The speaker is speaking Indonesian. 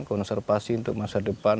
konservasi untuk masa depan